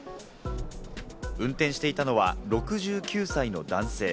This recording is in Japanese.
運転していたのは６９歳の男性。